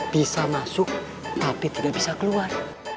bisa masuk tapi tidak bisa keluar